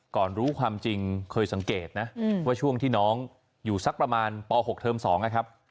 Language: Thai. รู้ความจริงเคยสังเกตนะว่าช่วงที่น้องอยู่สักประมาณป๖เทอม๒นะครับ